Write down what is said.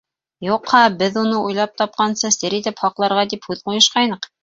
Юҡһа, беҙ, уны уйлап тапҡансы, сер итеп һаҡларға тип һүҙ ҡуйышҡайныҡ.